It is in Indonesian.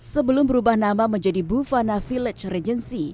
sebelum berubah nama menjadi bufana village regency